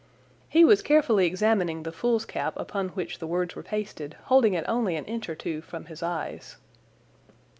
He was carefully examining the foolscap, upon which the words were pasted, holding it only an inch or two from his eyes.